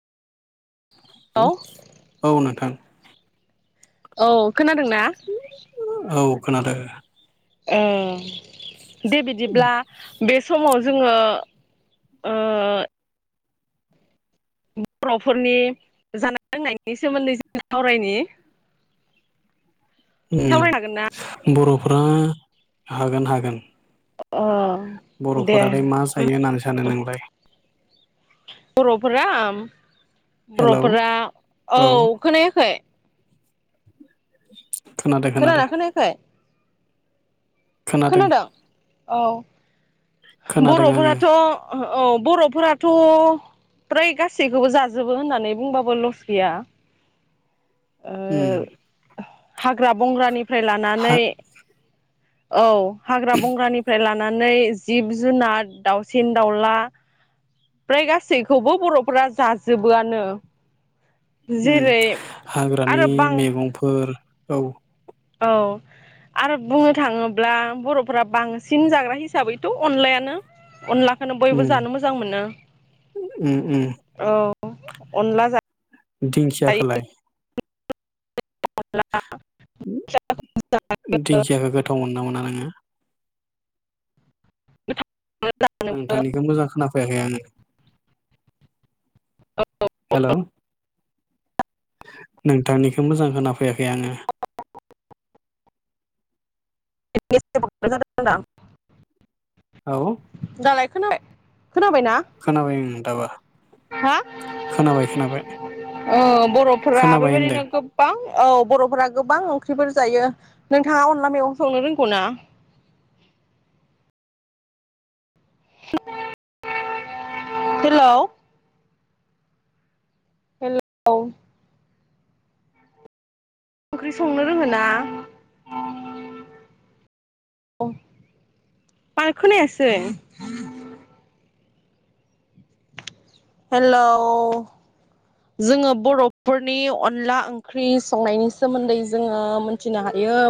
औ औ नोंथां औ खोनादोंना? औ खोनादों। ओ दे बिदिब्ला बे समाव जोङो ओ बर'फोरनि जानाय लोंनायनि सोमोन्दै जों सावरायनि सावरायनो हागोन ना? उम बर'फ फोरा हागोन हागोन ओ बर'फोरालाय मा जायो होननानै सानो नोंलाय? बर'फोरा हेलौ बर'फोरा औ खोनायाखै? [unintelligible] खोनादों खोनादोना खोनायाखोय? खोनादों। औ। खोनादों आङो बर'फोराथ' औ बर'फोराथ' फ्राय गासैखौबो जाजोबो होननानै बुंबाबो लस गैया ओ उम हाग्रा बंग्रानिफ्राय लानानै हा औ। हाग्रा बंग्रानिफ्राय लान नानै जिब जुनार दाउसिन दाउला ओमफ्राय गासैखौबो बर'फोरा जाजोबोआनो उम जेरै हाग्रानि आरो बां मैगंफोर औ। औ आरो बुंनो थाङोब्ला बर'फ्रा बांसिन जाग्रा हिसाबैथ' अनलायानो अनला थानो बैबो उम जानो मोजां मोनो उम औ अ अनला जा दिंखियाखोलाय दिंखियाखौ गोथाव मोनना मोना नोङो? [unintelligible] नोंथांनिखौ मोजां खोनाफैयाखै आङो। हेल'। नोंथांनिखौ मोजां खा फैयाखै आङो। [unintelligible] औ। दालाय खोनाबाय खोनाबाय ना? आबा हा ओ बर'फोरा खोनाबाय होनदों बेबायदिनो गोबां औ बर'फोरा गोबां ट्रिफोर जायो नोंथाङा अनला मेव संनो रोंगौ ना? हेल'। औ ओंख्रि संनो रोङो ना? अ बारा खोनायासै। हेलौ जोङो बर'फोरनि अनला ओंख्रि संनायनि सोमोन्दै जोङो मोनथिनो हायो